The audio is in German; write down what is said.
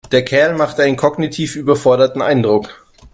Der Kerl macht einen kognitiv überforderten Eindruck.